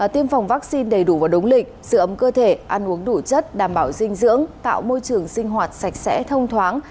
tiêm phòng vaccine đầy đủ và đúng lịch sự ấm cơ thể ăn uống đủ chất đảm bảo dinh dưỡng tạo môi trường sinh hoạt sạch sẽ thông thoáng